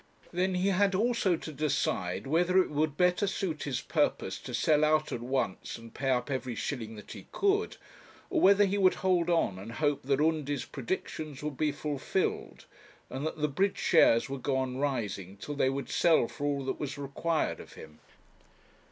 Then he had also to decide whether it would better suit his purpose to sell out at once and pay up every shilling that he could, or whether he would hold on, and hope that Undy's predictions would be fulfilled, and that the bridge shares would go on rising till they would sell for all that was required of him.